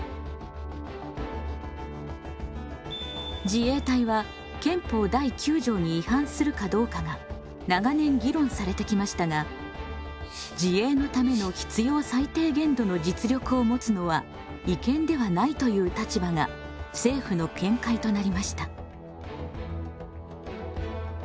自衛隊は憲法第９条に違反するかどうかが長年議論されてきましたが自衛のための必要最低限度の実力を持つのは違憲ではないという立場が政府の見解となりました。